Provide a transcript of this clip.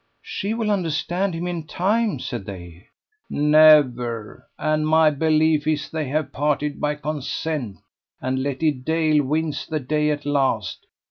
"She will understand him in time," said they. "Never. And my belief is, they have parted by consent, and Letty Dale wins the day at last.